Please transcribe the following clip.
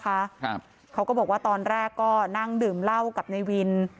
ครับเขาก็บอกว่าตอนแรกก็นั่งดื่มเหล้ากับในวิน